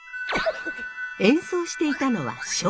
演奏していたのは笙。